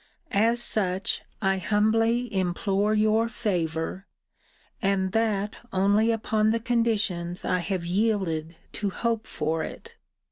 As such, I humbly implore your favour, and that only upon the conditions I have yielded to hope for it.